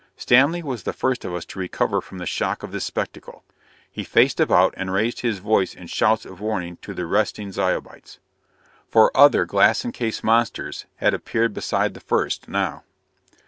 Stanley was the first of us to recover from the shock of this spectacle. He faced about and raised his voice in shouts of warning to the resting Zyobites. For other glass encased monsters had appeared beside the first, now.